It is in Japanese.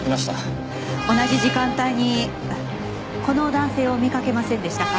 同じ時間帯にこの男性を見かけませんでしたか？